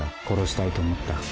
殺したいと思った？